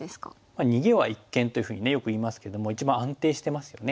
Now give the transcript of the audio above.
「逃げは一間」というふうにねよく言いますけども一番安定してますよね。